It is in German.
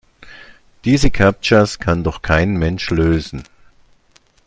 Diese Captchas kann doch kein Mensch lösen!